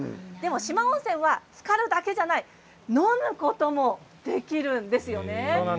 四万温泉はつかるだけじゃなくて飲むこともできるんです。